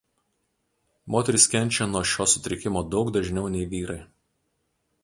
Moterys kenčia nuo šio sutrikimo daug dažniau nei vyrai.